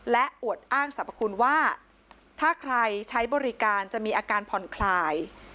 และอวดอ้างสรรพคุณว่าถ้าใครใช้บริการจะมีอาการผ่อนคลาย